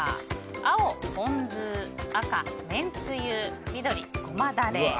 青、ポン酢赤、めんつゆ緑、ゴマだれ。